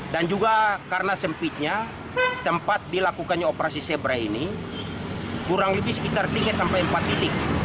dan juga karena sempitnya tempat dilakukannya operasi zebra ini kurang lebih sekitar tiga sampai empat titik